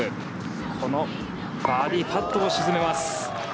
このバーディーパットを沈めます。